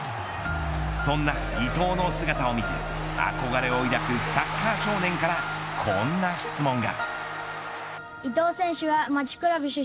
そんな伊東の姿を見て憧れを抱くサッカー少年からこんな質問が。